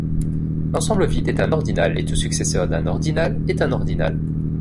L'ensemble vide est un ordinal et tout successeur d'un ordinal est un ordinal.